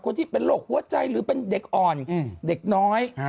คนที่เป็นโรคหัวใจหรือเป็นเด็กอ่อนเด็กน้อย